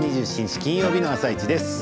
金曜日の「あさイチ」です。